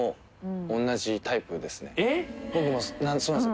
僕もそうなんですよ。